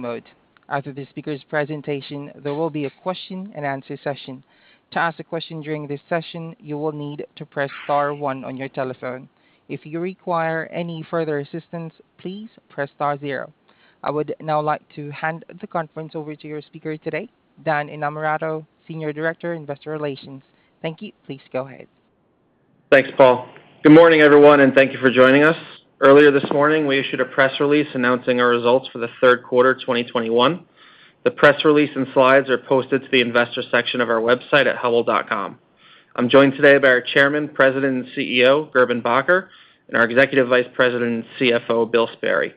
Mode. After the speaker's presentation, there will be a question-and-answer session. To ask a question during this session, you will need to press star one on your telephone. If you require any further assistance, please press star zero. I would now like to hand the conference over to your speaker today, Dan Innamorato, Senior Director, Investor Relations. Thank you. Please go ahead. Thanks, Paul. Good morning, everyone, and thank you for joining us. Earlier this morning, we issued a press release announcing our results for the third quarter of 2021. The press release and slides are posted to the Investor section of our website at hubbell.com. I'm joined today by our Chairman, President, and CEO, Gerben Bakker, and our Executive Vice President and CFO, Bill Sperry.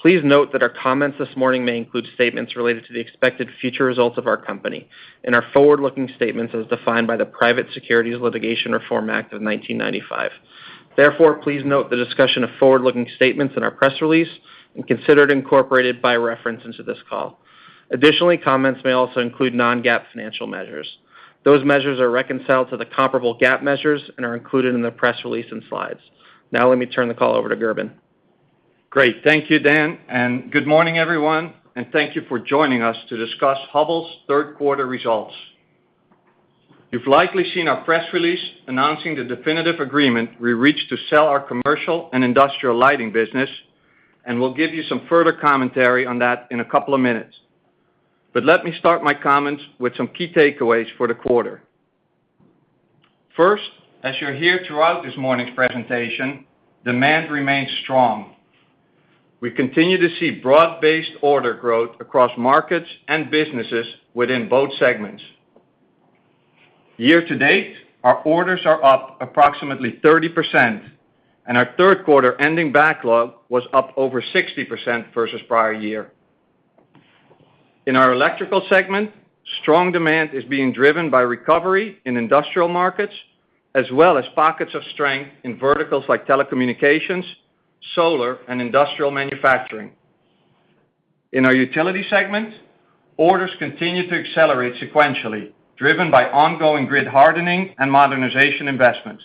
Please note that our comments this morning may include statements related to the expected future results of our company and are forward-looking statements as defined by the Private Securities Litigation Reform Act of 1995. Therefore, please note the discussion of forward-looking statements in our press release and consider it incorporated by reference into this call. Additionally, comments may also include non-GAAP financial measures. Those measures are reconciled to the comparable GAAP measures and are included in the press release and slides. Now let me turn the call over to Gerben. Great. Thank you, Dan. Good morning, everyone, and thank you for joining us to discuss Hubbell's third quarter results. You've likely seen our press release announcing the definitive agreement we reached to sell our commercial and industrial lighting business, and we'll give you some further commentary on that in a couple of minutes. Let me start my comments with some key takeaways for the quarter. First, as you'll hear throughout this morning's presentation, demand remains strong. We continue to see broad-based order growth across markets and businesses within both segments. Year-to-date, our orders are up approximately 30%, and our third quarter ending backlog was up over 60% versus prior year. In our electrical segment, strong demand is being driven by recovery in industrial markets, as well as pockets of strength in verticals like telecommunications, solar, and industrial manufacturing. In our utility segment, orders continue to accelerate sequentially, driven by ongoing grid hardening and modernization investments.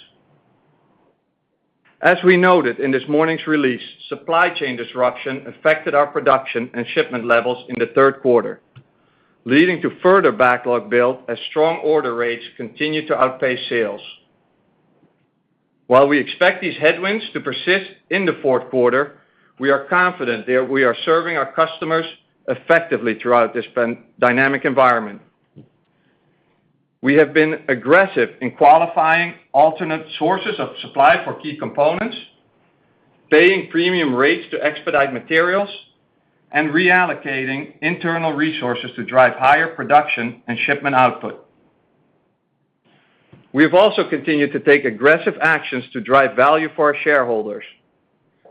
As we noted in this morning's release, supply chain disruption affected our production and shipment levels in the third quarter, leading to further backlog build as strong order rates continued to outpace sales. While we expect these headwinds to persist in the fourth quarter, we are confident that we are serving our customers effectively throughout this dynamic environment. We have been aggressive in qualifying alternate sources of supply for key components, paying premium rates to expedite materials and reallocating internal resources to drive higher production and shipment output. We have also continued to take aggressive actions to drive value for our shareholders.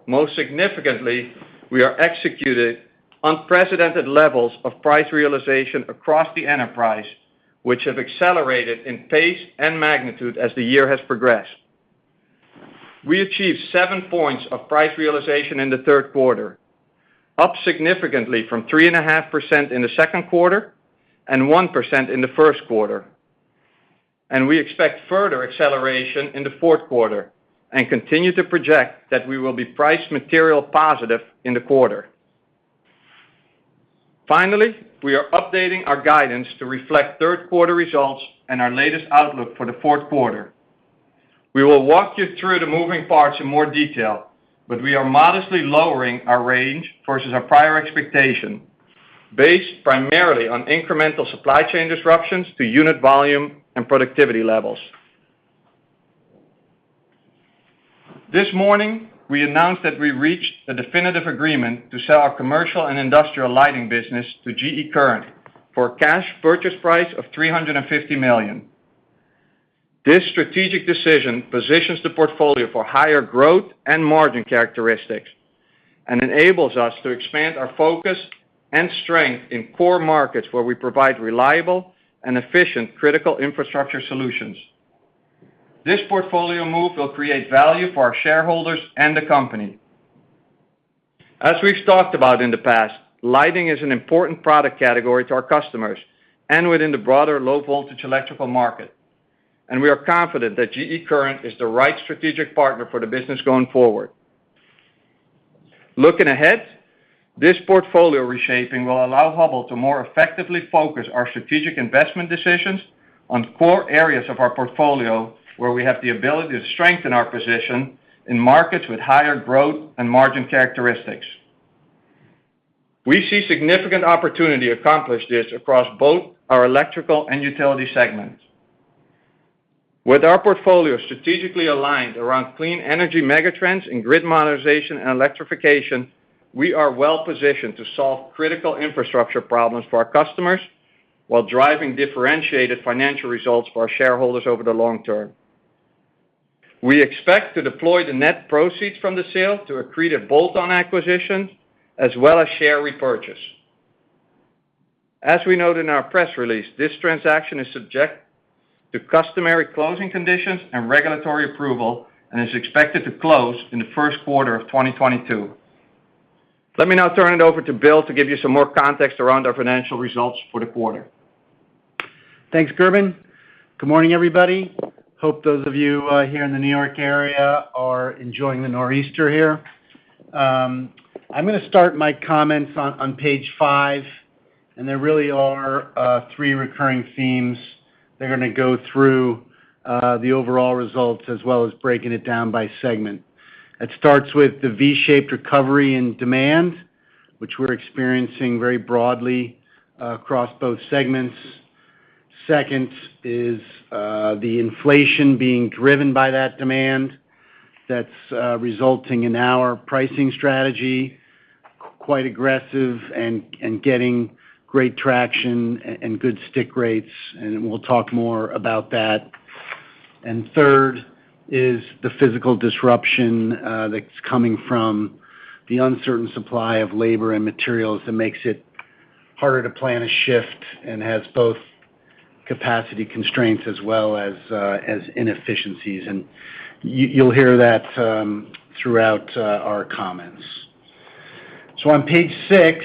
Most significantly, we have executed unprecedented levels of price realization across the enterprise, which have accelerated in pace and magnitude as the year has progressed. We achieved 7 points of price realization in the third quarter, up significantly from 3.5% in the second quarter and 1% in the first quarter. We expect further acceleration in the fourth quarter and continue to project that we will be price materially positive in the quarter. Finally, we are updating our guidance to reflect third quarter results and our latest outlook for the fourth quarter. We will walk you through the moving parts in more detail, but we are modestly lowering our range versus our prior expectation based primarily on incremental supply chain disruptions to unit volume and productivity levels. This morning, we announced that we reached a definitive agreement to sell our commercial and industrial lighting business to GE Current for a cash purchase price of $350 million. This strategic decision positions the portfolio for higher growth and margin characteristics and enables us to expand our focus and strength in core markets where we provide reliable and efficient critical infrastructure solutions. This portfolio move will create value for our shareholders and the company. As we've talked about in the past, lighting is an important product category to our customers and within the broader low-voltage electrical market, and we are confident that GE Current is the right strategic partner for the business going forward. Looking ahead, this portfolio reshaping will allow Hubbell to more effectively focus our strategic investment decisions on core areas of our portfolio where we have the ability to strengthen our position in markets with higher growth and margin characteristics. We see significant opportunity to accomplish this across both our electrical and utility segments. With our portfolio strategically aligned around clean energy megatrends in grid modernization and electrification, we are well-positioned to solve critical infrastructure problems for our customers while driving differentiated financial results for our shareholders over the long term. We expect to deploy the net proceeds from the sale to accretive bolt-on acquisitions as well as share repurchase. As we note in our press release, this transaction is subject to customary closing conditions and regulatory approval and is expected to close in the first quarter of 2022. Let me now turn it over to Bill to give you some more context around our financial results for the quarter. Thanks, Gerben. Good morning, everybody. Hope those of you here in the New York area are enjoying the nor'easter here. I'm gonna start my comments on page five, and there really are three recurring themes that are gonna go through the overall results as well as breaking it down by segment. It starts with the V-shaped recovery and demand, which we're experiencing very broadly across both segments. Second is the inflation being driven by that demand that's resulting in our pricing strategy, quite aggressive and getting great traction and good stick rates, and we'll talk more about that. Third is the physical disruption that's coming from the uncertain supply of labor and materials that makes it harder to plan a shift and has both capacity constraints as well as inefficiencies. You'll hear that throughout our comments. On page six,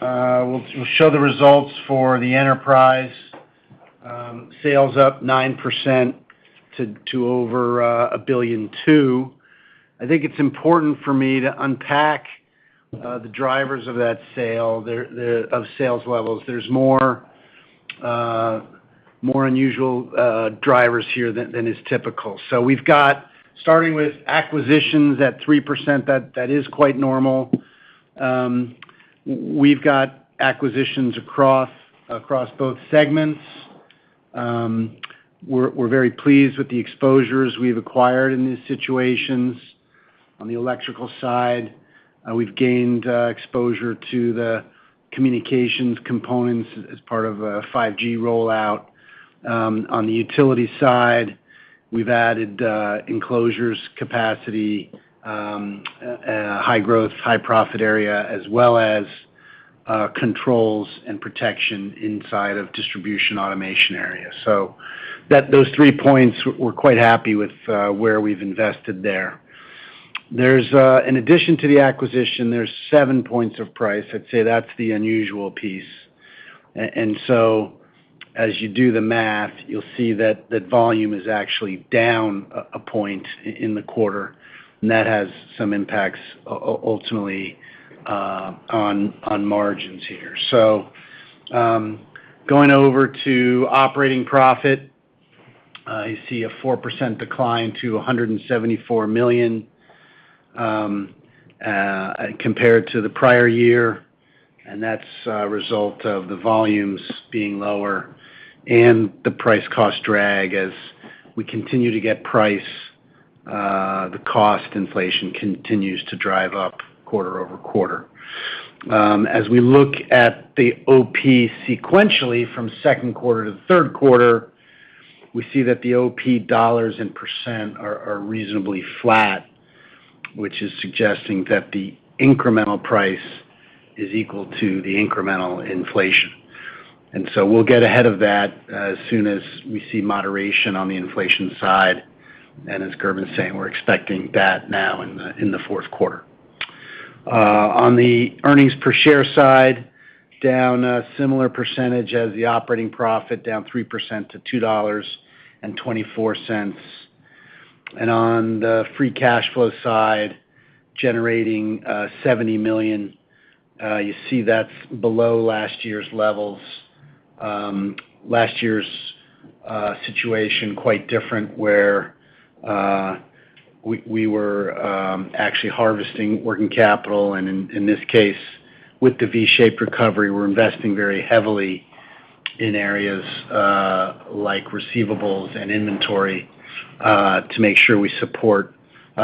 we'll show the results for the enterprise. Sales up 9% to over $1.2 billion. I think it's important for me to unpack the drivers of that sales levels. There's more unusual drivers here than is typical. We've got, starting with acquisitions at 3%, that is quite normal. We've got acquisitions across both segments. We're very pleased with the exposures we've acquired in these situations. On the electrical side, we've gained exposure to the communications components as part of a 5G rollout. On the utility side, we've added enclosures, capacity, high growth, high profit area, as well as, controls and protection inside of distribution automation area. Those three points, we're quite happy with where we've invested there. There's, in addition to the acquisition, there's 7 points of price. I'd say that's the unusual piece. As you do the math, you'll see that volume is actually down a point in the quarter, and that has some impacts ultimately on margins here. Going over to operating profit, you see a 4% decline to $174 million compared to the prior year, and that's a result of the volumes being lower and the price cost drag. As we continue to get price, the cost inflation continues to drive up quarter-over-quarter. As we look at the OP sequentially from second quarter to the third quarter, we see that the OP dollars and percent are reasonably flat, which is suggesting that the incremental price is equal to the incremental inflation. We'll get ahead of that as soon as we see moderation on the inflation side, and as Gerben was saying, we're expecting that now in the fourth quarter. On the earnings per share side, down a similar percentage as the operating profit, down 3% to $2.24. On the free cash flow side, generating $70 million. You see that's below last year's levels. Last year's situation quite different, where we were actually harvesting working capital. In this case, with the V-shaped recovery, we're investing very heavily in areas like receivables and inventory to make sure we support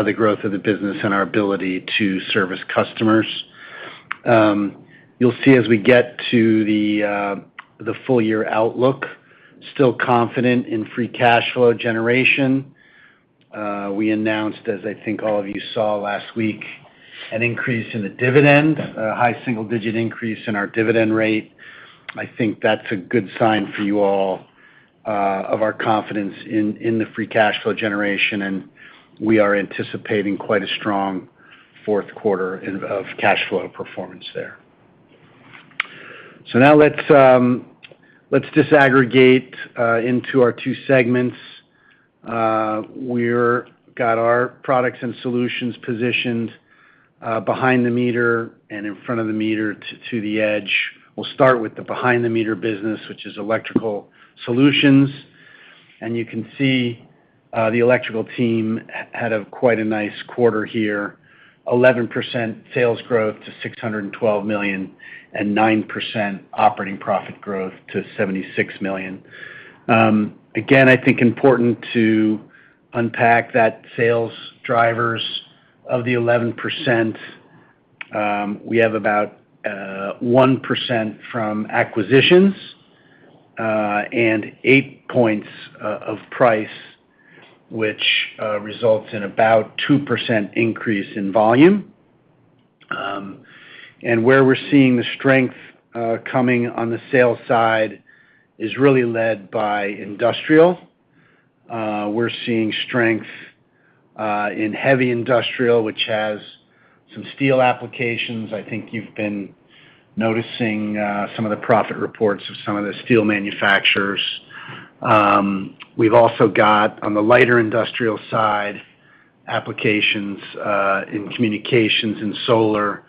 the growth of the business and our ability to service customers. You'll see as we get to the full-year outlook, still confident in free cash flow generation. We announced, as I think all of you saw last week, an increase in the dividend, a high-single-digit increase in our dividend rate. I think that's a good sign for you all of our confidence in the free cash flow generation, and we are anticipating quite a strong fourth quarter of cash flow performance there. Now let's disaggregate into our two segments. We're got our products and solutions positioned behind the meter and in front of the meter to the edge. We'll start with the behind-the-meter business, which is Electrical Solutions. You can see the Electrical team had a quite nice quarter here. 11% sales growth to $612 million, and 9% operating profit growth to $76 million. I think important to unpack that sales drivers of the 11%. We have about 1% from acquisitions, and 8 points of price, which results in about 2% increase in volume. Where we're seeing the strength coming on the sales side is really led by industrial. We're seeing strength in heavy industrial, which has some steel applications. I think you've been noticing some of the profit reports of some of the steel manufacturers. We've also got, on the lighter industrial side, applications in communications and solar,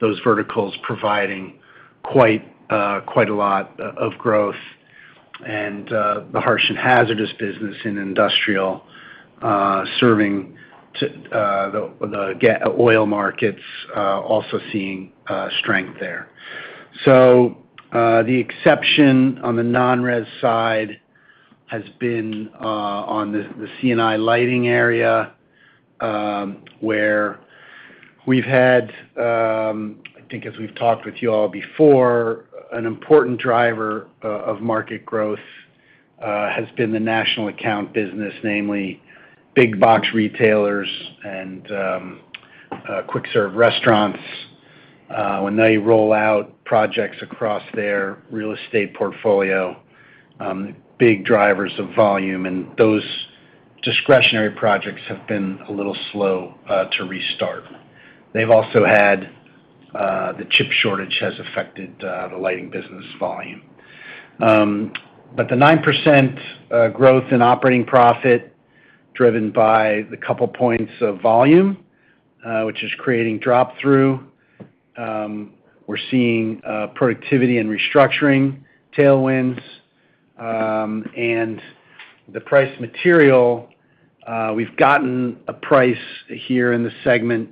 those verticals providing quite a lot of growth. The harsh and hazardous business in industrial serving the gas and oil markets also seeing strength there. The exception on the non-res side has been on the C&I lighting area, where we've had, I think as we've talked with you all before, an important driver of market growth has been the national account business, namely big box retailers and quick serve restaurants. When they roll-out projects across their real estate portfolio, big drivers of volume and those discretionary projects have been a little slow to restart. They've also had the chip shortage has affected the lighting business volume. The 9% growth in operating profit driven by the couple points of volume which is creating drop through. We're seeing productivity and restructuring tailwinds. The price material we've gotten a price here in the segment.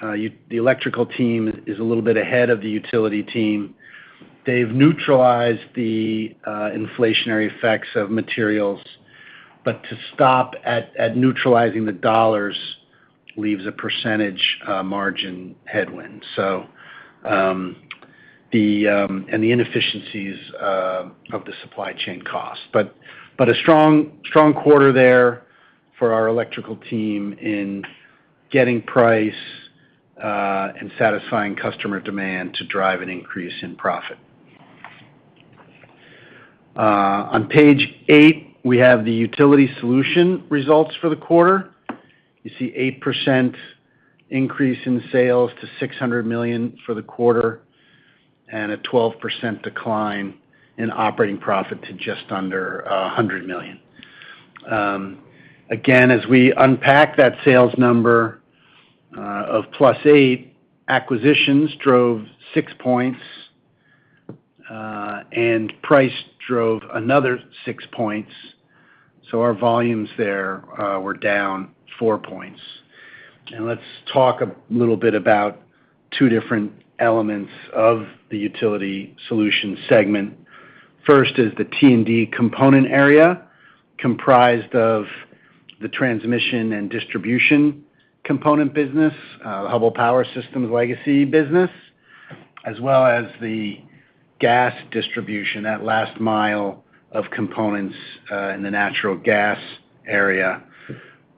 The Electrical team is a little bit ahead of the Utility team. They've neutralized the inflationary effects of materials. To stop at neutralizing the dollars leaves a percentage margin headwind. The inefficiencies of the supply chain costs. A strong quarter there for our Electrical team in getting price and satisfying customer demand to drive an increase in profit. On page eight, we have the Utility Solutions results for the quarter. You see 8% increase in sales to $600 million for the quarter, and a 12% decline in operating profit to just under $100 million. Again, as we unpack that sales number of +8, acquisitions drove 6 points, and price drove another 6 points. So our volumes there were down 4 points. Let's talk a little bit about two different elements of the utility solution segment. First is the T&D component area, comprised of the transmission and distribution component business, Hubbell Power Systems legacy business, as well as the gas distribution, that last mile of components, in the natural gas area.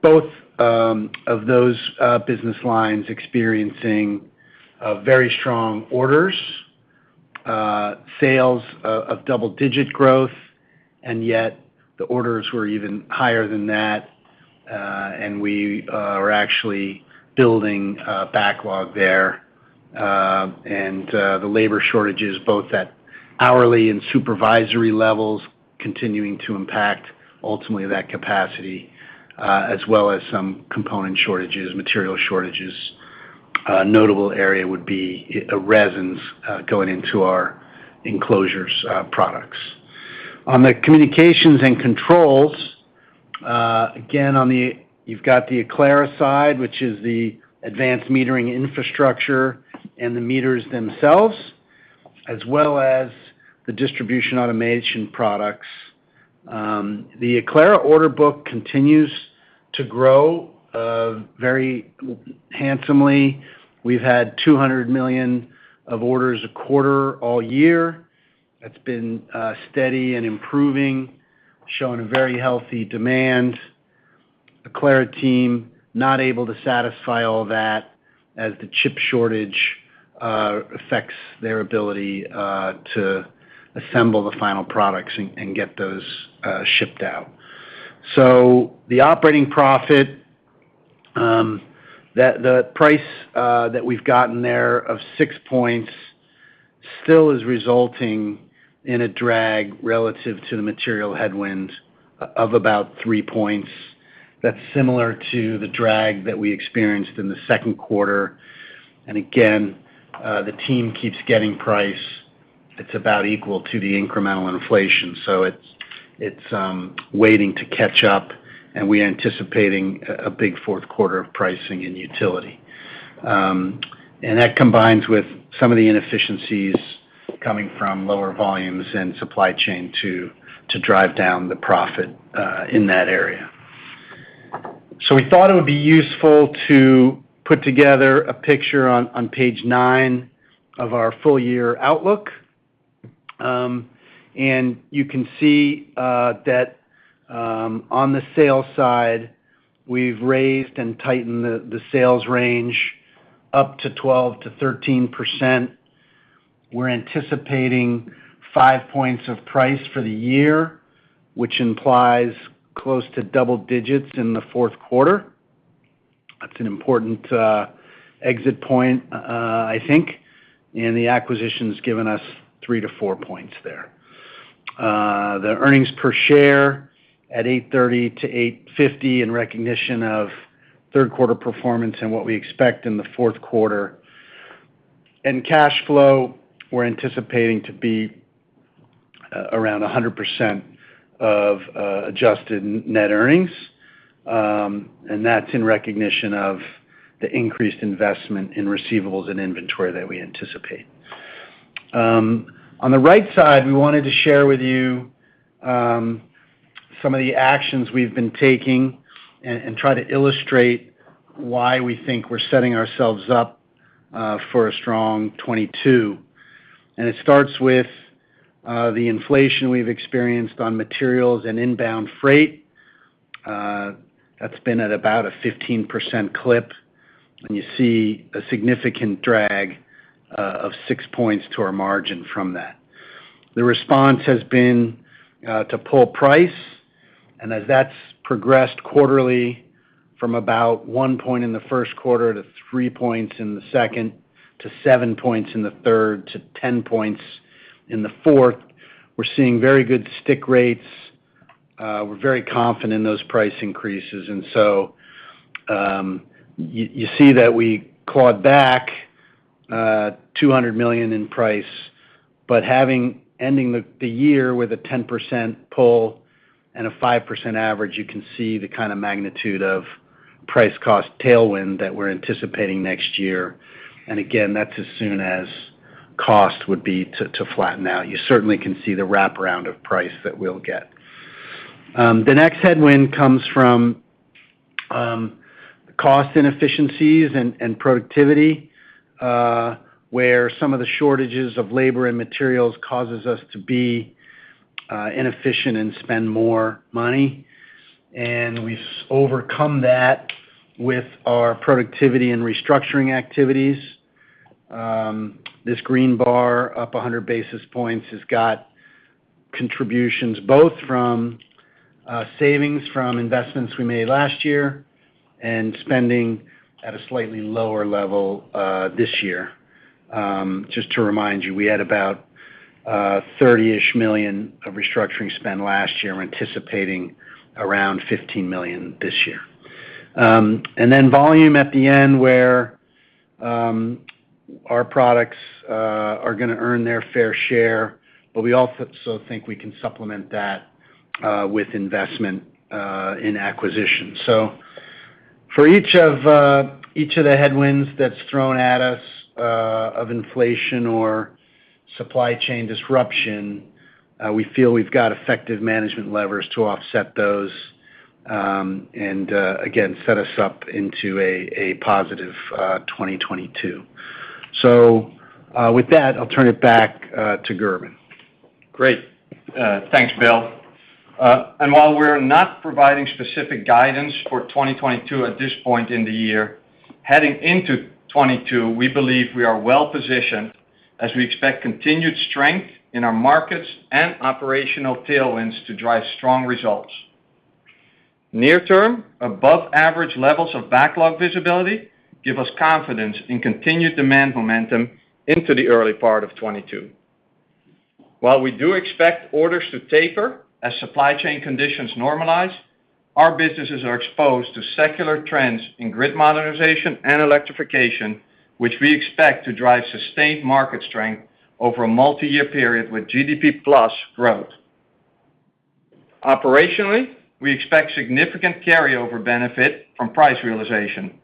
Both of those business lines experiencing very strong orders, sales of double-digit growth, and yet the orders were even higher than that, and we are actually building a backlog there. The labor shortages, both at hourly and supervisory levels, continuing to impact ultimately that capacity, as well as some component shortages, material shortages. A notable area would be resins going into our enclosures products. On the communications and controls, again, you've got the Aclara side, which is the advanced metering infrastructure and the meters themselves, as well as the distribution automation products. The Aclara order book continues to grow very handsomely. We've had 200 million of orders a quarter all year. That's been steady and improving, showing a very healthy demand. Aclara team not able to satisfy all that as the chip shortage affects their ability to assemble the final products and get those shipped out. The operating profit, the price that we've gotten there of 6 points still is resulting in a drag relative to the material headwind of about 3 points. That's similar to the drag that we experienced in the second quarter. The team keeps getting price that's about equal to the incremental inflation. It's waiting to catch up, and we're anticipating a big fourth quarter of pricing in utility. That combines with some of the inefficiencies coming from lower volumes and supply chain to drive down the profit in that area. We thought it would be useful to put together a picture on page nine of our full-year outlook. You can see that on the sales side, we've raised and tightened the sales range up to 12%-13%. We're anticipating 5 points of price for the year, which implies close to double-digits in the fourth quarter. That's an important exit point, I think, and the acquisition's given us 3-4 points there. The earnings per share at $8.30-$8.50 in recognition of third quarter performance and what we expect in the fourth quarter. Cash flow, we're anticipating to be around 100% of adjusted net earnings, and that's in recognition of the increased investment in receivables and inventory that we anticipate. On the right side, we wanted to share with you some of the actions we've been taking and try to illustrate why we think we're setting ourselves up for a strong 2022. It starts with the inflation we've experienced on materials and inbound freight. That's been at about a 15% clip, and you see a significant drag of 6 points to our margin from that. The response has been to pull price, and as that's progressed quarterly from about 1 point in the first quarter to 3 points in the second to 7 points in the third to 10 points in the fourth, we're seeing very good stick rates. We're very confident in those price increases. You see that we clawed back $200 million in price. Having ended the year with a 10% pull and a 5% average, you can see the kind of magnitude of price-cost tailwind that we're anticipating next year. Again, that's as soon as costs would be to flatten out. You certainly can see the wraparound of price that we'll get. The next headwind comes from cost inefficiencies and productivity, where some of the shortages of labor and materials causes us to be inefficient and spend more money. We've overcome that with our productivity and restructuring activities. This green bar up 100 basis points has got contributions both from savings from investments we made last year and spending at a slightly lower level this year. Just to remind you, we had about $30-ish million of restructuring spend last year. We're anticipating around $15 million this year. Volume at the end where our products are gonna earn their fair share, but we also think we can supplement that with investment in acquisitions. For each of the headwinds that's thrown at us of inflation or supply chain disruption, we feel we've got effective management levers to offset those, and again, set us up into a positive 2022. With that, I'll turn it back to Gerben. Great. Thanks, Bill. While we're not providing specific guidance for 2022 at this point in the year, heading into 2022, we believe we are well positioned as we expect continued strength in our markets and operational tailwinds to drive strong results. Near term, above average levels of backlog visibility give us confidence in continued demand momentum into the early part of 2022. While we do expect orders to taper as supply chain conditions normalize, our businesses are exposed to secular trends in grid modernization and electrification, which we expect to drive sustained market strength over a multi-year period with GDP plus growth. Operationally, we expect significant carryover benefit from price realization,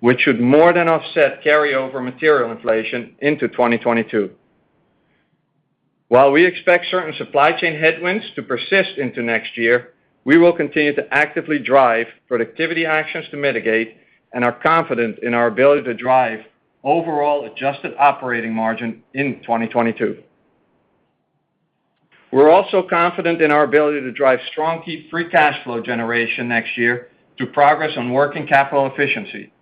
which should more than offset carryover material inflation into 2022. While we expect certain supply chain headwinds to persist into next year, we will continue to actively drive productivity actions to mitigate and are confident in our ability to drive overall adjusted operating margin in 2022. We're also confident in our ability to drive strong free cash flow generation next year through progress on working capital efficiency.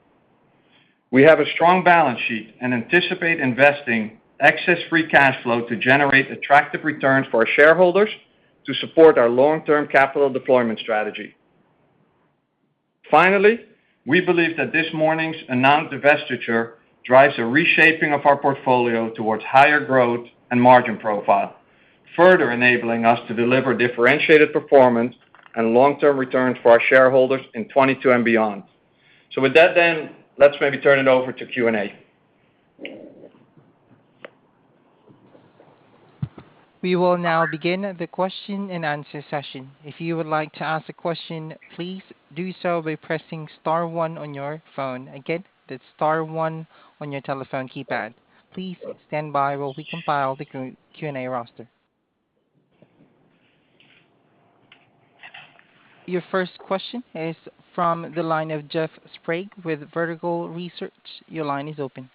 We have a strong balance sheet and anticipate investing excess free cash flow to generate attractive returns for our shareholders to support our long-term capital deployment strategy. Finally, we believe that this morning's announced divestiture drives a reshaping of our portfolio towards higher growth and margin profile, further enabling us to deliver differentiated performance and long-term returns for our shareholders in 2022 and beyond. With that then, let's maybe turn it over to Q&A. We will now begin the question-and-answer session. If you would like to ask a question, please do so by pressing star one on your phone. Again, the star one on your telephone keypad. Please stand by while we compile the Q&A roster. Your first question is from the line of Jeff Sprague with Vertical Research. Your line is open.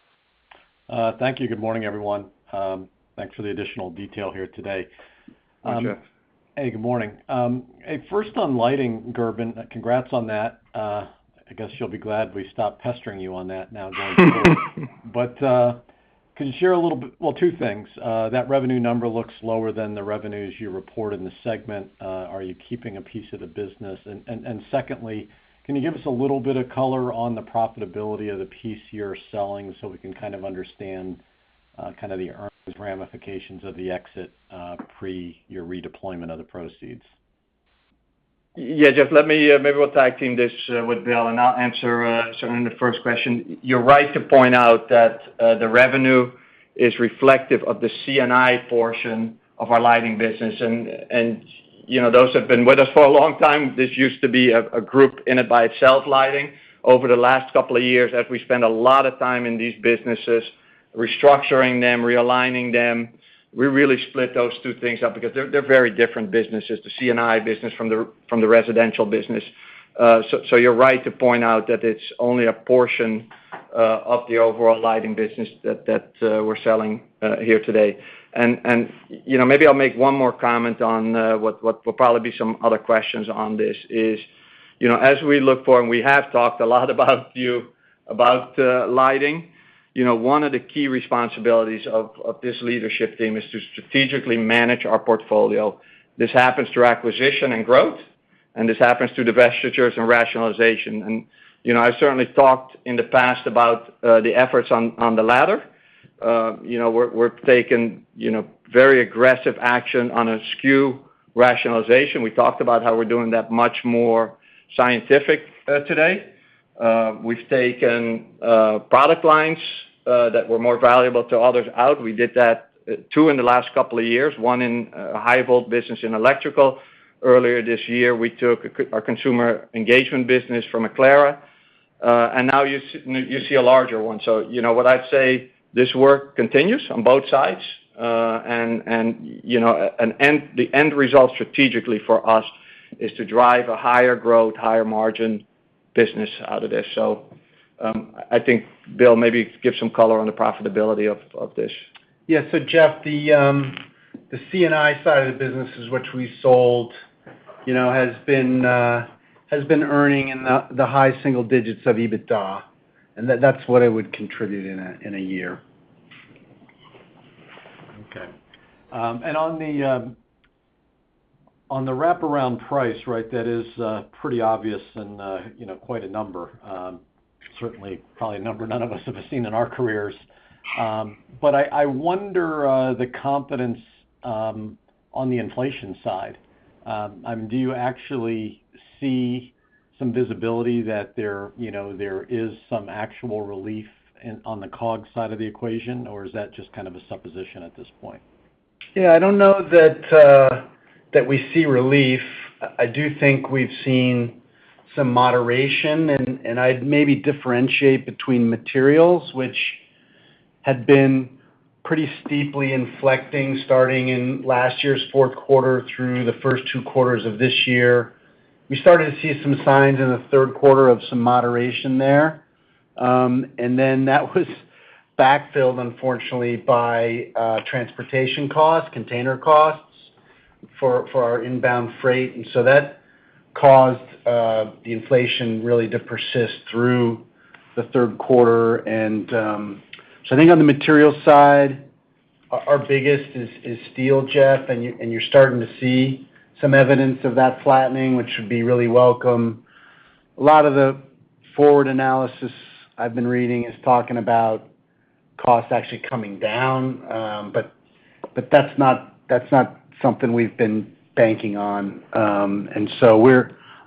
Thank you. Good morning, everyone. Thanks for the additional detail here today. Hey, good morning. First on lighting, Gerben, congrats on that. I guess you'll be glad we stopped pestering you on that now going forward. Can you share a little bit. Well, two things, that revenue number looks lower than the revenues you report in the segment. Are you keeping a piece of the business? And secondly, can you give us a little bit of color on the profitability of the piece you're selling so we can kind of understand, kind of the earnings ramifications of the exit, pre your redeployment of the proceeds? Yes, Jeff. Let me, maybe we'll tag team this, with Bill, and I'll answer, certainly the first question. You're right to point out that, the revenue is reflective of the C&I portion of our lighting business. You know, those have been with us for a long time. This used to be a group in and by itself, lighting. Over the last couple of years, as we spend a lot of time in these businesses, restructuring them, realigning them, we really split those two things up because they're very different businesses, the C&I business from the residential business. You're right to point out that it's only a portion, of the overall lighting business that, we're selling, here today. You know, maybe I'll make one more comment on what will probably be some other questions on this. You know, as we look forward, and we have talked a lot about lighting. You know, one of the key responsibilities of this leadership team is to strategically manage our portfolio. This happens through acquisition and growth, and this happens through divestitures and rationalization. You know, I've certainly talked in the past about the efforts on the latter. You know, we're taking very aggressive action on a SKU rationalization. We talked about how we're doing that much more scientifically today. We've taken product lines that were more valuable to others out. We did that two in the last couple of years, one in a High Voltage business in electrical. Earlier this year, we took our consumer engagement business from Aclara. And now you see a larger one. You know what I'd say, this work continues on both sides. And you know, the end result strategically for us is to drive a higher growth, higher margin business out of this. I think, Bill, maybe give some color on the profitability of this. Yeah. Jeff, the C&I side of the business is which we sold, you know, has been earning in the high-single-digits of EBITDA. That's what it would contribute in a year. Okay. On the wraparound price, right, that is pretty obvious and you know, quite a number. Certainly, probably a number none of us have seen in our careers. I wonder the confidence on the inflation side. I mean, do you actually see some visibility that there you know, there is some actual relief on the COGS side of the equation, or is that just kind of a supposition at this point? Yeah, I don't know that we see relief. I do think we've seen some moderation and I'd maybe differentiate between materials, which had been pretty steeply inflecting starting in last year's fourth quarter through the first two quarters of this year. We started to see some signs in the third quarter of some moderation there. Then that was backfilled, unfortunately, by transportation costs, container costs for our inbound freight. That caused the inflation really to persist through the third quarter. I think on the material side, our biggest is steel, Jeff. You're starting to see some evidence of that flattening, which would be really welcome. A lot of the forward analysis I've been reading is talking about costs actually coming down. That's not something we've been banking on.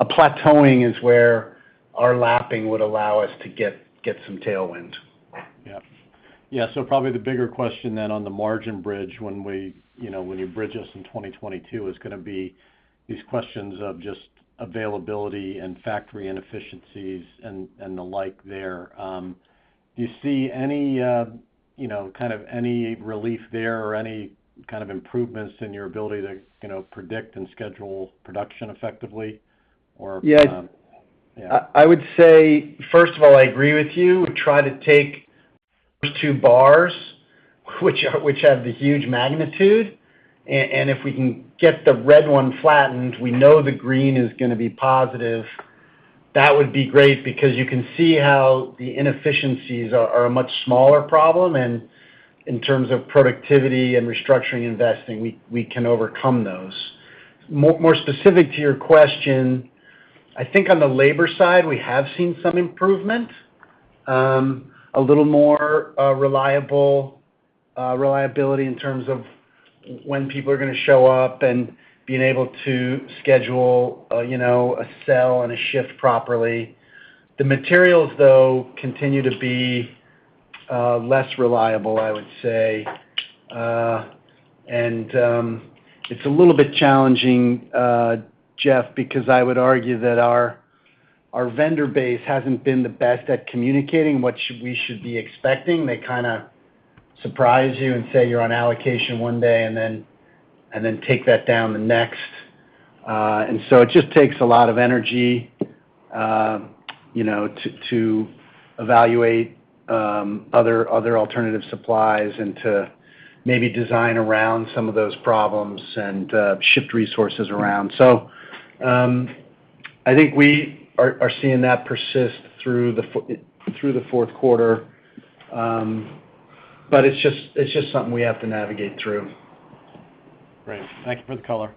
A plateauing is where our lapping would allow us to get some tailwind. Yeah. Probably the bigger question then on the margin bridge when we, you know, when you bridge us in 2022 is gonna be these questions of just availability and factory inefficiencies and the like there. Do you see any, you know, kind of any relief there or any kind of improvements in your ability to, you know, predict and schedule production effectively or. Yeah. Yeah. I would say, first of all, I agree with you. We try to take those two bars which have the huge magnitude. If we can get the red one flattened, we know the green is gonna be positive. That would be great because you can see how the inefficiencies are a much smaller problem, and in terms of productivity and restructuring investing, we can overcome those. More specific to your question, I think on the labor side, we have seen some improvement, a little more reliable reliability in terms of when people are gonna show up and being able to schedule, you know, a full shift properly. The materials, though, continue to be less reliable, I would say. It's a little bit challenging, Jeff, because I would argue that our vendor base hasn't been the best at communicating what we should be expecting. They kinda surprise you and say you're on allocation one day and then take that down the next. It just takes a lot of energy, you know, to evaluate other alternative supplies and to maybe design around some of those problems and shift resources around. I think we are seeing that persist through the fourth quarter. It's just something we have to navigate through. Great. Thank you for the color.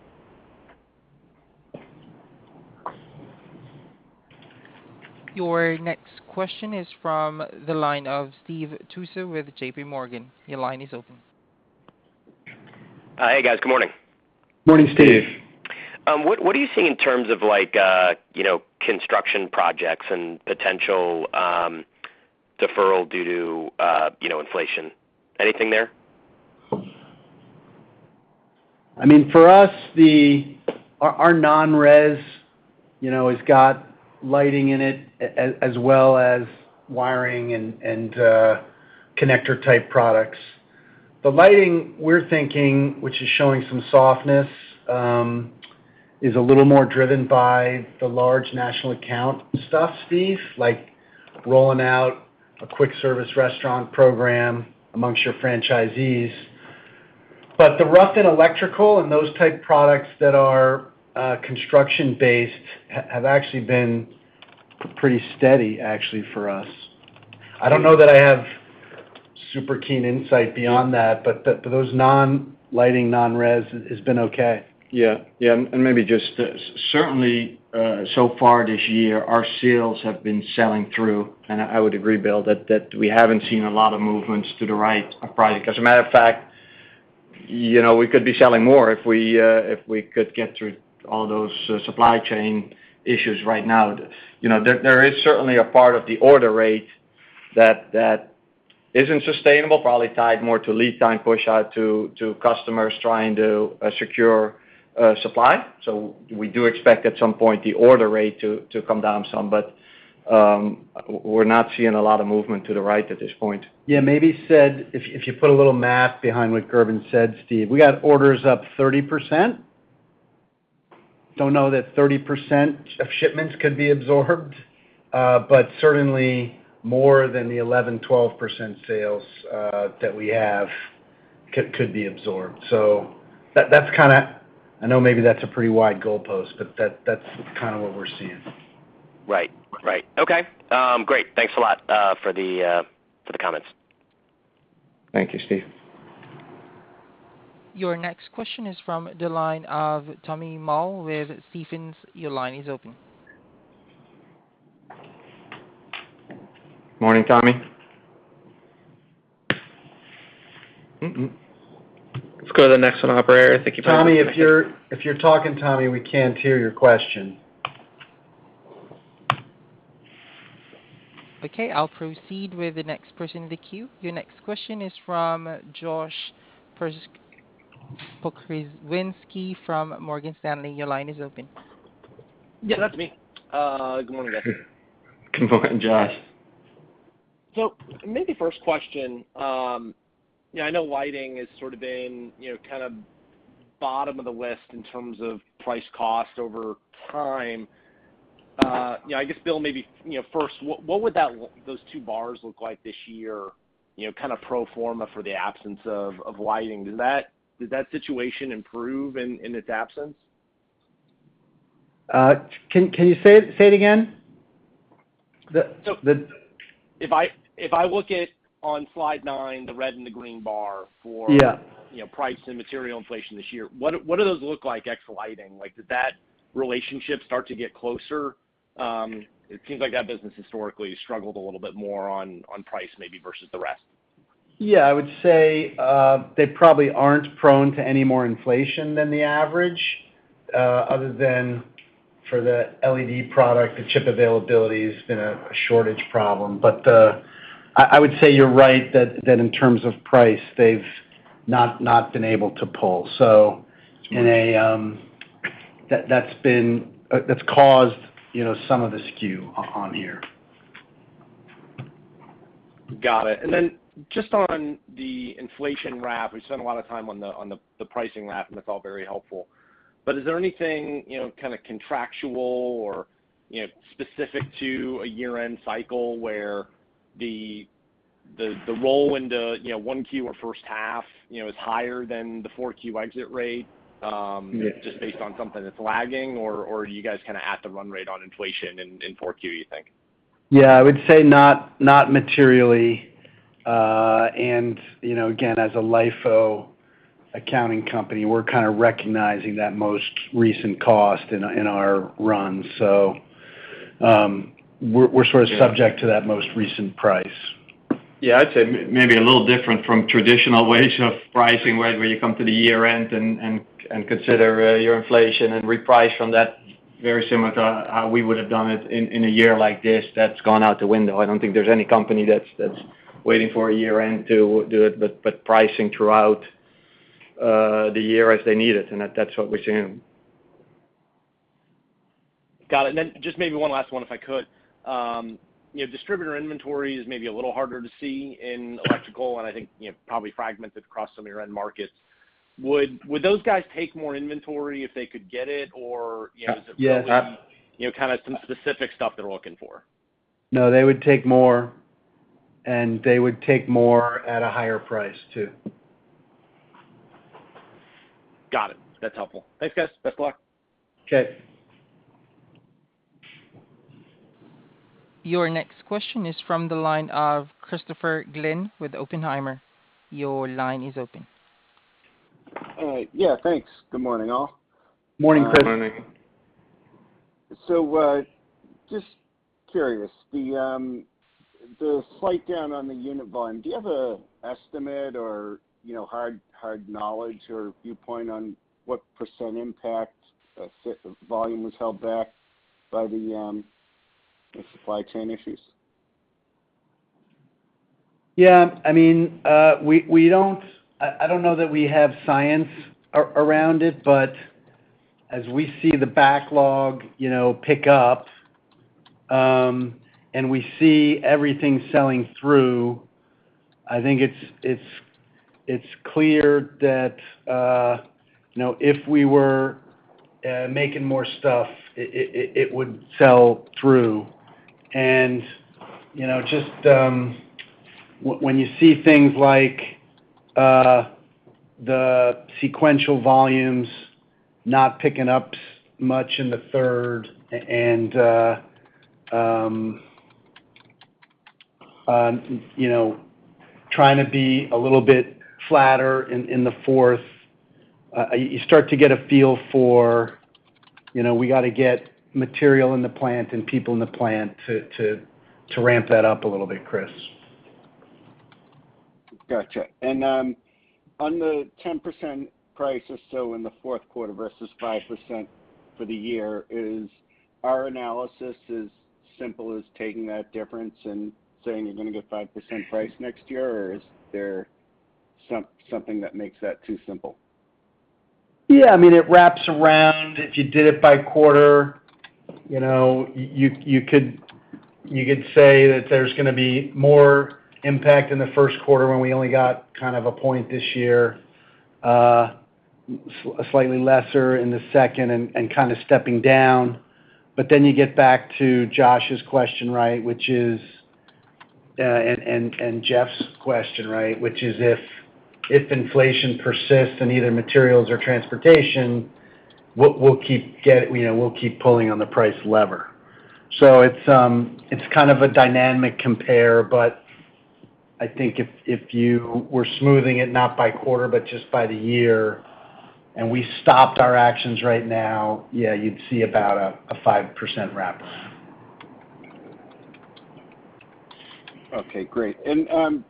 Your next question is from the line of Steve Tusa with JPMorgan. Your line is open. Hey, guys. Good morning. Morning, Steve. What are you seeing in terms of like, you know, construction projects and potential deferral due to, you know, inflation? Anything there? I mean, for us, our non-res, you know, has got lighting in it as well as wiring and connector-type products. The lighting we're thinking, which is showing some softness, is a little more driven by the large national account stuff, Steve, like rolling out a quick service restaurant program amongst your franchisees. The rough in electrical and those type products that are construction-based have actually been pretty steady actually for us. I don't know that I have super keen insight beyond that, but those non-lighting, non-res has been okay. Maybe just certainly so far this year, our sales have been selling through, and I would agree, Bill, that we haven't seen a lot of movements to the right of product. As a matter of fact, you know, we could be selling more if we could get through all those supply chain issues right now. You know, there is certainly a part of the order rate that isn't sustainable, probably tied more to lead time push out to customers trying to secure supply. We do expect at some point the order rate to come down some. We're not seeing a lot of movement to the right at this point. Yeah. If you put a little math behind what Gerben said, Steve, we got orders up 30%. Don't know that 30% of shipments could be absorbed, but certainly more than the 11%-12% sales that we have could be absorbed. That's kinda, I know maybe that's a pretty wide goalpost, but that's kinda what we're seeing. Right. Okay. Great. Thanks a lot for the comments. Thank you, Steve. Your next question is from the line of Tommy Moll with Stephens. Your line is open. Morning, Tommy. Let's go to the next one, operator. Thank you very much. Tommy, if you're talking, Tommy, we can't hear your question. Okay, I'll proceed with the next person in the queue. Your next question is from Josh Pokrzywinski from Morgan Stanley. Your line is open. Yeah, that's me. Good morning, guys. Good morning, Josh. Maybe first question, yeah, I know lighting has sort of been, you know, kind of bottom of the list in terms of price cost over time. You know, I guess, Bill, maybe, you know, first, what would those two bars look like this year, you know, kind of pro forma for the absence of lighting? Does that situation improve in its absence? Can you say it again? So. If I look at on slide nine, the red and the green bar. Yeah. You know, price and material inflation this year, what do those look like ex lighting? Like, did that relationship start to get closer? It seems like that business historically struggled a little bit more on price maybe versus the rest. Yeah. I would say they probably aren't prone to any more inflation than the average other than for the LED product. The chip availability has been a shortage problem. I would say you're right that in terms of price, they've not been able to pull. That's caused you know some of the skew on here. Got it. Just on the inflation wrap, we spent a lot of time on the pricing wrap, and it's all very helpful. Is there anything, you know, kind of contractual or, you know, specific to a year-end cycle where the roll into, you know, 1Q or first half, you know, is higher than the 4Q exit rate? Yeah. Just based on something that's lagging, or are you guys kind of at the run rate on inflation in 4Q, you think? Yeah. I would say not materially. You know, again, as a LIFO accounting company, we're kind of recognizing that most recent cost in our run. We're sort of subject to that most recent price. Yeah. I'd say maybe a little different from traditional ways of pricing, right, where you come to the year-end and consider your inflation and reprice from that. Very similar to how we would have done it in a year like this, that's gone out the window. I don't think there's any company that's waiting for a year-end to do it, but pricing throughout the year as they need it, and that's what we're seeing. Got it. Just maybe one last one, if I could. You know, distributor inventory is maybe a little harder to see in electrical and I think, you know, probably fragmented across some of your end markets. Would those guys take more inventory if they could get it? Or, you know, is it really. Yeah. You know, kind of some specific stuff they're looking for? No, they would take more, and they would take more at a higher price too. Got it. That's helpful. Thanks, guys. Best of luck. Okay. Your next question is from the line of Christopher Glynn with Oppenheimer. Your line is open. All right. Yeah, thanks. Good morning, all. Morning, Chris. Morning. Just curious, the slight down on the unit volume, do you have an estimate or, you know, hard knowledge or viewpoint on what percent impact volume was held back by the supply chain issues? Yeah. I mean, we don't know that we have science around it, but as we see the backlog, you know, pick up, and we see everything selling through, I think it's clear that, you know, if we were making more stuff, it would sell through. You know, just when you see things like the sequential volumes not picking up so much in the third and, you know, trying to be a little bit flatter in the fourth, you start to get a feel for, you know, we gotta get material in the plant and people in the plant to ramp that up a little bit, Chris. Gotcha. On the 10% price or so in the fourth quarter versus 5% for the year, is our analysis as simple as taking that difference and saying you're gonna get 5% price next year or is there something that makes that too simple? Yeah. I mean, it wraps around. If you did it by quarter, you could say that there's gonna be more impact in the first quarter when we only got kind of a point this year, slightly lesser in the second and kind of stepping down. You get back to Josh's question, right? Which is and Jeff's question, right? Which is if inflation persists in either materials or transportation, we'll keep pulling on the price lever. It's kind of a dynamic compare, but I think if you were smoothing it not by quarter, but just by the year, and we stopped our actions right now, yeah, you'd see about a 5% wraparound. Okay, great.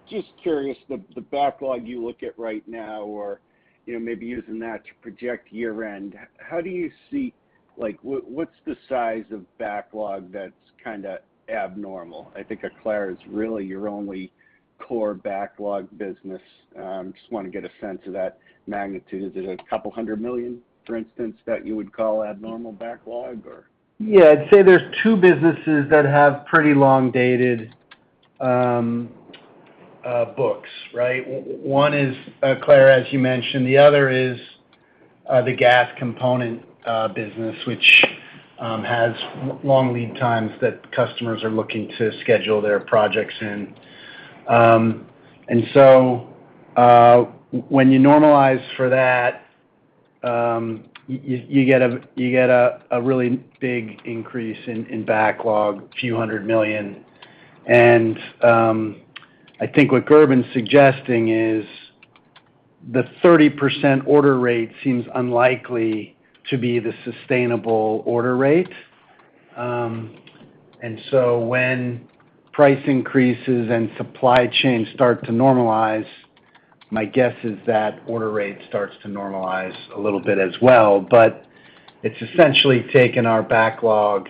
Just curious, the backlog you look at right now or, you know, maybe using that to project year-end, how do you see? Like, what's the size of backlog that's kinda abnormal? I think Aclara is really your only core backlog business. Just wanna get a sense of that magnitude. Is it $200 million, for instance, that you would call abnormal backlog or? Yeah. I'd say there are two businesses that have pretty long-dated books, right? One is Aclara, as you mentioned. The other is the gas component business, which has long lead times that customers are looking to schedule their projects in. When you normalize for that, you get a really big increase in backlog, a few hundred million. I think what Gerben is suggesting is the 30% order rate seems unlikely to be the sustainable order rate. When price increases and supply chains start to normalize, my guess is that order rate starts to normalize a little bit as well. It's essentially taken our backlog,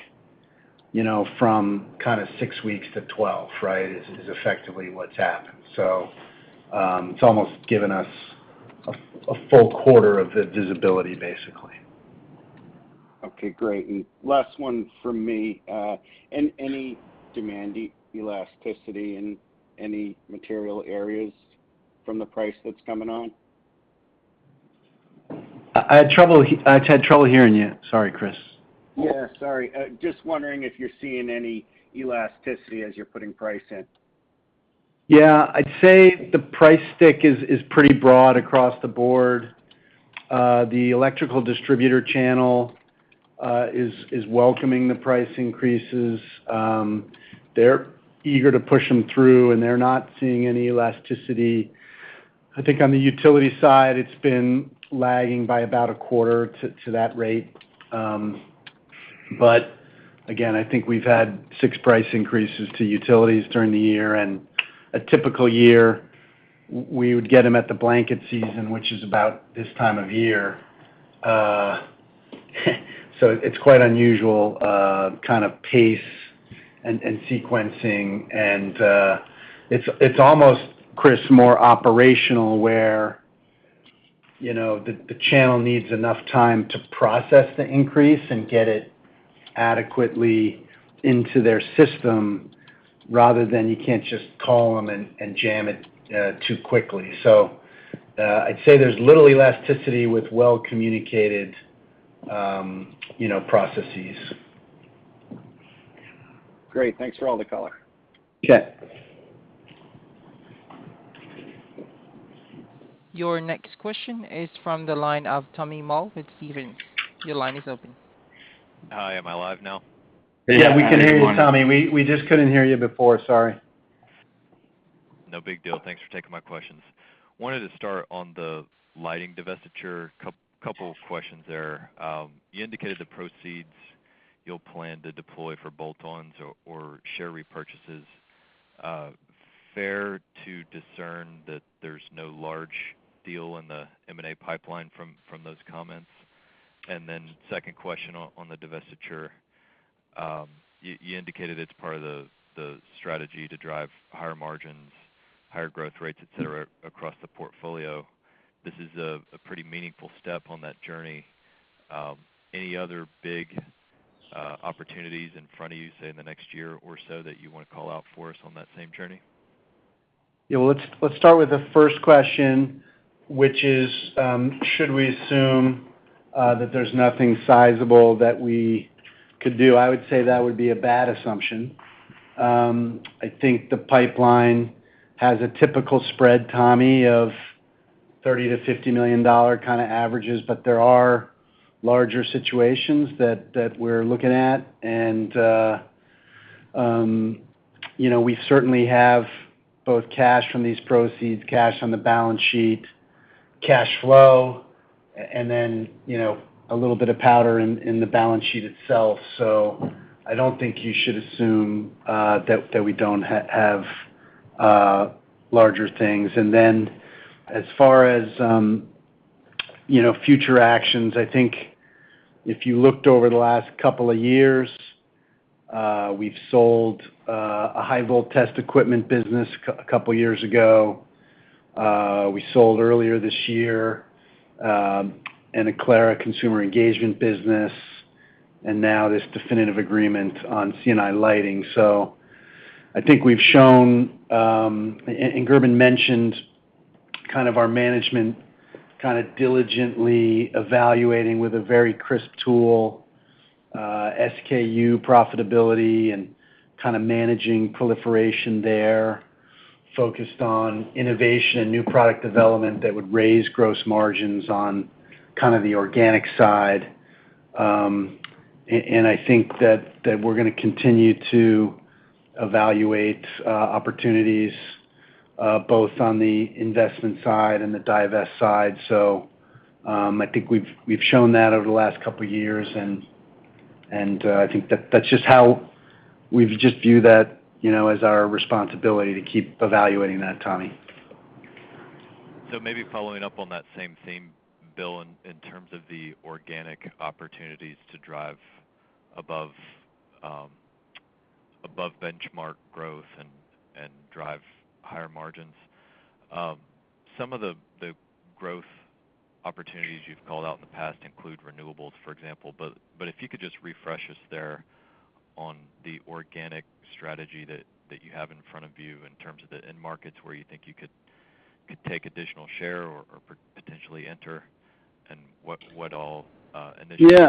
you know, from kind of six weeks to 12, right? That's effectively what's happened. It's almost given us a full-quarter of the visibility, basically. Okay, great. Last one from me. Any demand elasticity in any material areas from the price that's coming on? I had trouble hearing you. Sorry, Chris. Yeah, sorry. Just wondering if you're seeing any elasticity as you're putting price in. Yeah. I'd say the price stickiness is pretty broad across the board. The electrical distributor channel is welcoming the price increases. They're eager to push them through, and they're not seeing any elasticity. I think on the utility side, it's been lagging by about a quarter to that rate. Again, I think we've had 6 price increases to utilities during the year. A typical year, we would get them at the blanket season, which is about this time of year. So it's quite unusual kind of pace and sequencing. It's almost, Chris, more operational where you know, the channel needs enough time to process the increase and get it adequately into their system rather than you can't just call them and jam it too quickly. I'd say there's little elasticity with well-communicated, you know, processes. Great. Thanks for all the color. Okay. Your next question is from the line of Tommy Moll with Stephens. Your line is open. Hi. Am I live now? Yeah, we can hear you, Tommy. We just couldn't hear you before. Sorry. No big deal. Thanks for taking my questions. Wanted to start on the lighting divestiture. Couple of questions there. You indicated the proceeds you'll plan to deploy for bolt-ons or share repurchases. Fair to discern that there's no large deal in the M&A pipeline from those comments? Second question on the divestiture. You indicated it's part of the strategy to drive higher margins, higher growth rates, et cetera, across the portfolio. This is a pretty meaningful step on that journey. Any other big opportunities in front of you, say, in the next year or so that you wanna call out for us on that same journey? Yeah. Well, let's start with the first question, which is, should we assume that there's nothing sizable that we could do? I would say that would be a bad assumption. I think the pipeline has a typical spread, Tommy, of $30 million-$50 million kinda averages, but there are larger situations that we're looking at. You know, we certainly have both cash from these proceeds, cash on the balance sheet, cash flow, and then, you know, a little bit of powder in the balance sheet itself. So I don't think you should assume that we don't have larger things. Then as far as, you know, future actions, I think if you looked over the last couple of years, we've sold a high voltage test equipment business couple years ago. We sold earlier this year, an Aclara consumer engagement business, and now this definitive agreement on C&I lighting. I think we've shown, and Gerben mentioned kind of our management kind of diligently evaluating with a very crisp tool, SKU profitability and kind of managing proliferation there, focused on innovation and new product development that would raise gross margins on kind of the organic side. I think that we're gonna continue to evaluate opportunities, both on the investment side and the divest side. I think we've shown that over the last couple years, and I think that that's just how we've viewed that, you know, as our responsibility to keep evaluating that, Tommy. Maybe following up on that same theme, Bill, in terms of the organic opportunities to drive above benchmark growth and drive higher margins. Some of the growth opportunities you've called out in the past include renewables, for example. If you could just refresh us there on the organic strategy that you have in front of you in terms of the end markets where you think you could take additional share or potentially enter and what all initiatives.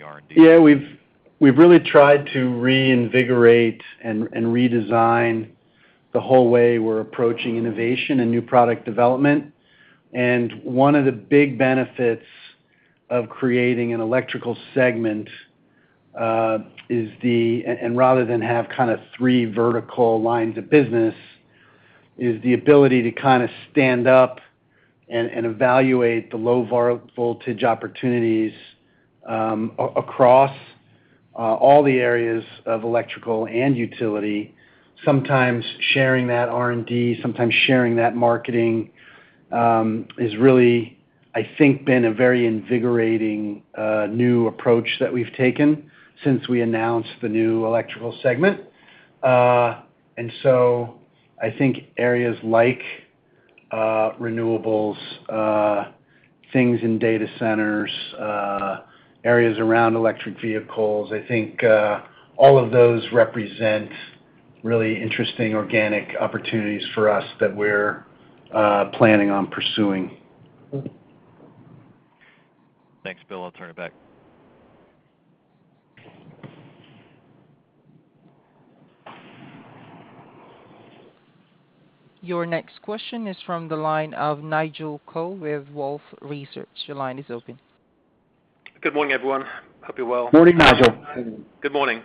Yeah. R&D. Yeah. We've really tried to reinvigorate and redesign the whole way we're approaching innovation and new product development. One of the big benefits of creating an electrical segment is the ability to stand up and evaluate the low voltage opportunities across all the areas of electrical and utility, sometimes sharing that R&D, sometimes sharing that marketing, has really, I think, been a very invigorating new approach that we've taken since we announced the new electrical segment. I think areas like renewables, things in data centers, areas around electric vehicles, I think, all of those represent really interesting organic opportunities for us that we're planning on pursuing. Thanks, Bill. I'll turn it back. Your next question is from the line of Nigel Coe with Wolfe Research. Your line is open. Good morning, everyone. I hope you're well. Morning, Nigel. Good morning.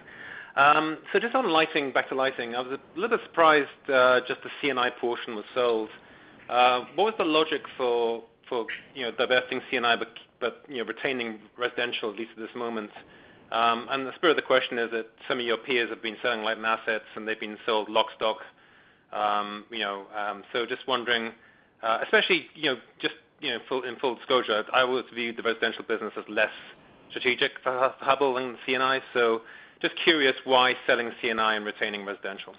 Just on lighting, back to lighting. I was a little bit surprised, just the C&I portion was sold. What was the logic for, you know, divesting C&I but, you know, retaining residential, at least at this moment? The spirit of the question is that some of your peers have been selling lighting assets and they've been sold lock, stock, you know. Just wondering, especially, you know, just, you know, in full disclosure, I always viewed the residential business as less strategic to Hubbell than C&I. Just curious why selling C&I and retaining residential.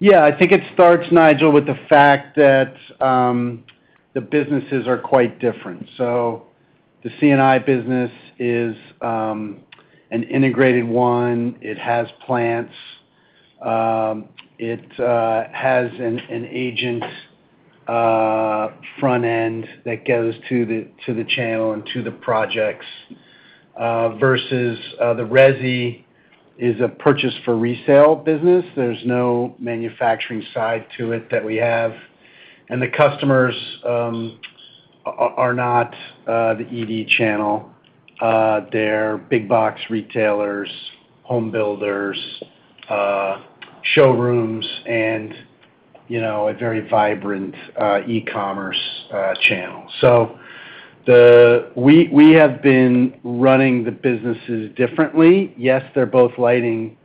Yeah, I think it starts, Nigel, with the fact that the businesses are quite different. The C&I business is an integrated one. It has plants. It has an agent front end that goes to the channel and to the projects versus the resi is a purchase for resale business. There's no manufacturing side to it that we have. The customers are not the EV channel. They're big box retailers, home builders, showrooms and, you know, a very vibrant e-commerce channel. We have been running the businesses differently. Yes, they're both lighting,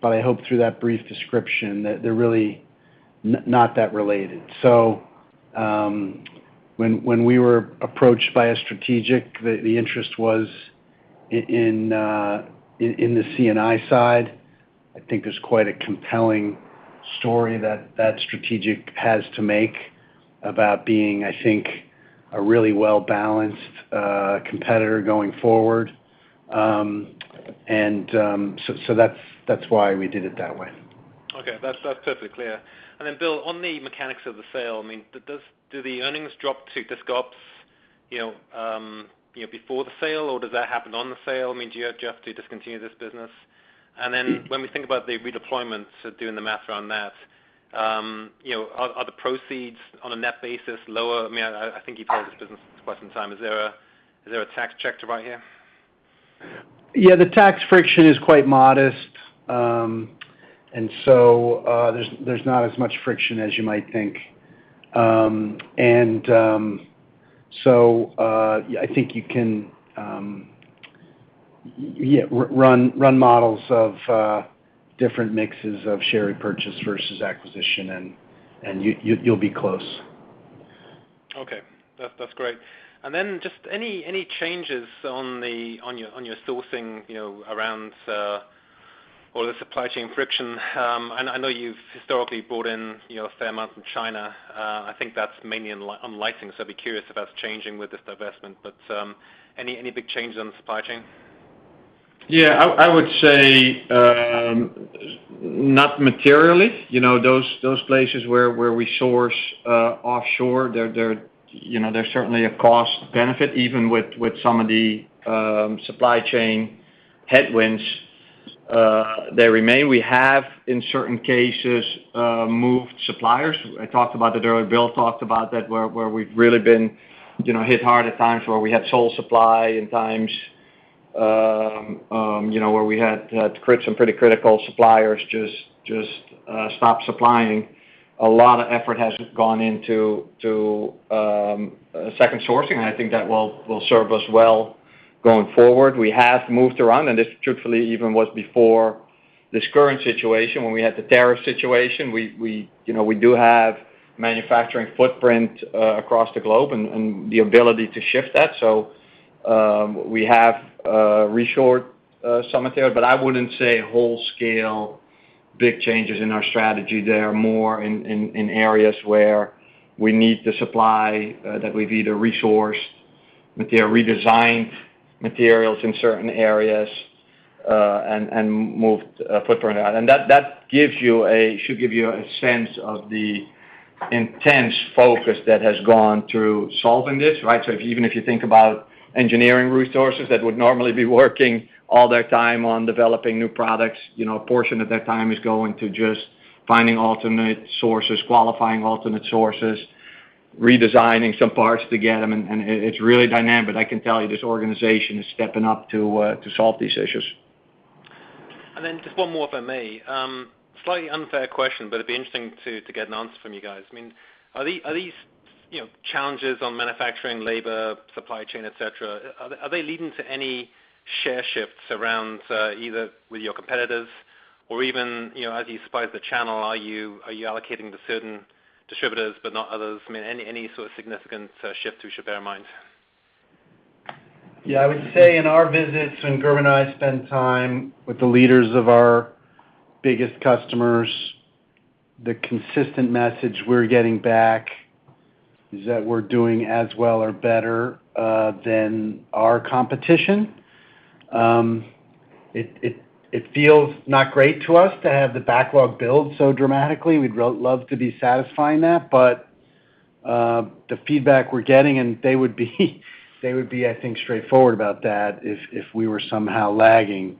but I hope through that brief description that they're really not that related. When we were approached by a strategic, the interest was in the C&I side. I think there's quite a compelling story that strategic has to make about being, I think, a really well-balanced competitor going forward. So that's why we did it that way. Okay. That's perfectly clear. Then Bill, on the mechanics of the sale, I mean, do the earnings drop to disc ops before the sale, or does that happen on the sale? I mean, do you have to discontinue this business? Then when we think about the redeployments, doing the math around that, are the proceeds on a net basis lower? I mean, I think you bought this business quite some time. Is there a tax check to write here? Yeah, the tax friction is quite modest. There's not as much friction as you might think. I think you can yeah run models of different mixes of share repurchase versus acquisition, and you'd be close. Okay. That's great. Just any changes on your sourcing, you know, around all the supply chain friction? I know you've historically brought in, you know, a fair amount from China. I think that's mainly on lighting, so I'd be curious if that's changing with this divestment. Any big changes on the supply chain? Yeah, I would say not materially. You know, those places where we source offshore, they're certainly a cost benefit even with some of the supply chain headwinds, they remain. We have, in certain cases, moved suppliers. I talked about that earlier, Bill talked about that, where we've really been, you know, hit hard at times where we had sole supply and times, you know, where we had some pretty critical suppliers just stop supplying. A lot of effort has gone into second sourcing, and I think that will serve us well going forward. We have moved around, and this truthfully even was before this current situation when we had the tariff situation. We, you know, we do have a manufacturing footprint across the globe and the ability to shift that. We have reshored some material, but I wouldn't say wholesale big changes in our strategy. They are more in areas where we need the supply that we've either sourced material, redesigned materials in certain areas, and moved footprint out. That should give you a sense of the intense focus that has gone into solving this, right? Even if you think about engineering resources that would normally be working all their time on developing new products, you know, a portion of their time is going to just finding alternate sources, qualifying alternate sources, redesigning some parts to get them. It's really dynamic. I can tell you this organization is stepping up to solve these issues. Just one more, if I may. Slightly unfair question, but it'd be interesting to get an answer from you guys. I mean, are these, you know, challenges on manufacturing, labor, supply chain, et cetera, are they leading to any share shifts around, either with your competitors or even, you know, as you supply the channel, are you allocating to certain distributors but not others? I mean, any sort of significant shift we should bear in mind? Yeah. I would say in our visits when Gerben and I spend time with the leaders of our biggest customers, the consistent message we're getting back is that we're doing as well or better than our competition. It feels not great to us to have the backlog build so dramatically. We'd love to be satisfying that, but the feedback we're getting, and they would be, I think, straightforward about that if we were somehow lagging.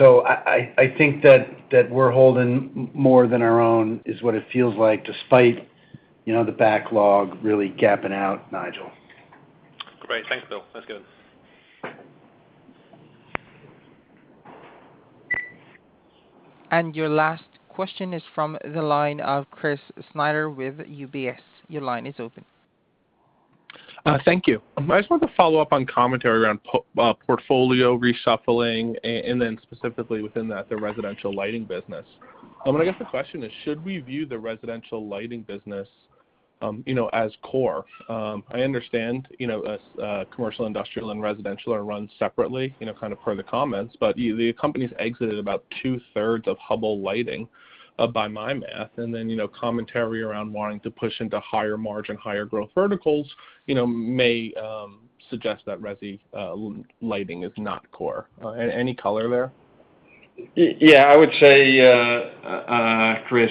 I think that we're holding more than our own is what it feels like despite, you know, the backlog really gapping out, Nigel. Great. Thanks, Bill. That's good. Your last question is from the line of Chris Snyder with UBS. Your line is open. Thank you. I just want to follow up on commentary around portfolio reshuffling and then specifically within that, the residential lighting business. I guess the question is, should we view the residential lighting business as core? I understand, you know, as commercial, industrial, and residential are run separately, you know, kind of per the comments, but the company's exited about 2/3 of Hubbell Lighting, by my math. Then, you know, commentary around wanting to push into higher margin, higher growth verticals, you know, may suggest that resi lighting is not core. Any color there? Yeah, I would say, Chris.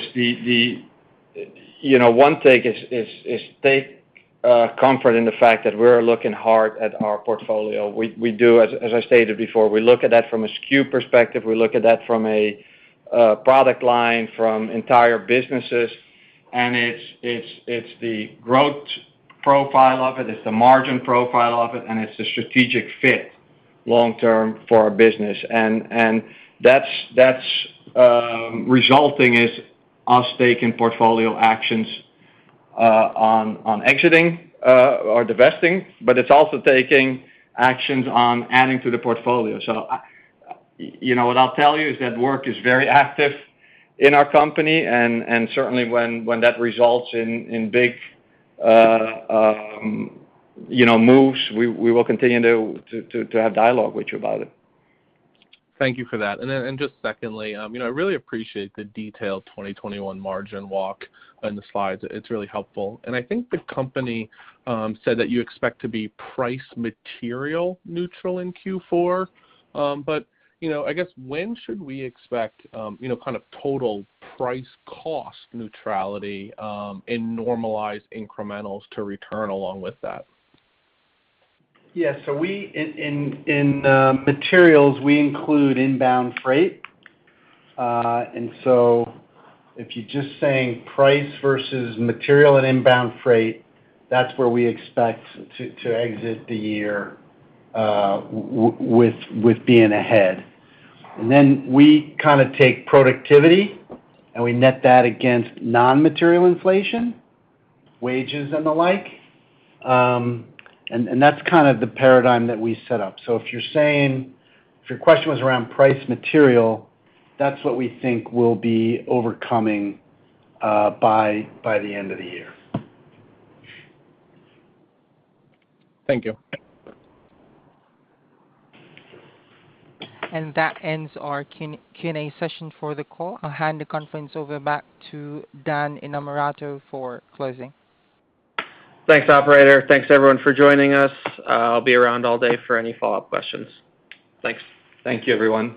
You know, one take is to take comfort in the fact that we're looking hard at our portfolio. We do, as I stated before, look at that from a SKU perspective, we look at that from a product line, from entire businesses, and it's the growth profile of it's the margin profile of it, and it's the strategic fit long term for our business. That's resulting in us taking portfolio actions on exiting or divesting, but it's also taking actions on adding to the portfolio. You know, what I'll tell you is that work is very active in our company, and certainly when that results in big, you know, moves, we will continue to have dialogue with you about it. Thank you for that. Just secondly, you know, I really appreciate the detailed 2021 margin walk in the slides. It's really helpful. I think the company said that you expect to be price material neutral in Q4. You know, I guess when should we expect, you know, kind of total price cost neutrality and normalized incrementals to return along with that? In materials, we include inbound freight. If you're just saying price versus material and inbound freight, that's where we expect to exit the year with being ahead. Then we kinda take productivity, and we net that against non-material inflation, wages and the like. That's kind of the paradigm that we set up. If you're saying if your question was around price material, that's what we think we'll be overcoming by the end of the year. Thank you. That ends our Q&A session for the call. I'll hand the conference over back to Dan Innamorato for closing. Thanks, operator. Thanks everyone for joining us. I'll be around all day for any follow-up questions. Thanks. Thank you, everyone.